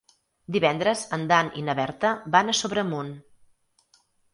Divendres en Dan i na Berta van a Sobremunt.